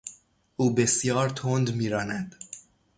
او بسیار تند میراند.